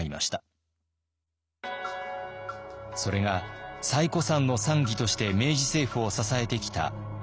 それが最古参の参議として明治政府を支えてきた大隈重信です。